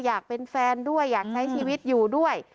อยากเป็นแฟนด้วยอยากใช้ชีวิตอยู่ด้วย